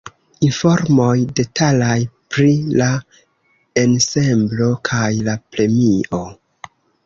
Informoj detalaj pri la ensemblo kaj la premio.